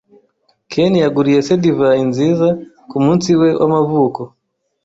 Ken yaguriye se divayi nziza kumunsi we w'amavuko.